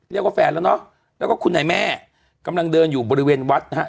แฟนแล้วเนอะแล้วก็คุณนายแม่กำลังเดินอยู่บริเวณวัดนะฮะ